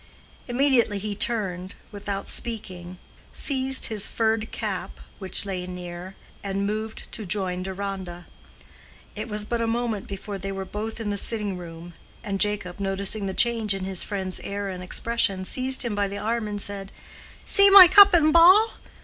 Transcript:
Immediately he turned without speaking, seized his furred cap which lay near, and moved to join Deronda. It was but a moment before they were both in the sitting room, and Jacob, noticing the change in his friend's air and expression, seized him by the arm and said, "See my cup and ball!"